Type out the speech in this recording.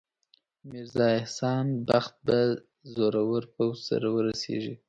میرزا احسان بخت به زورور پوځ سره ورسیږي.